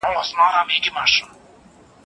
ورکه نېستي شه ورک يې نوم شه